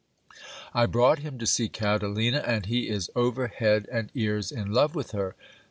I brought him to see Catalina, and he is over head and ears in love with her.